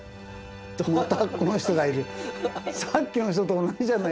またこの人がいる。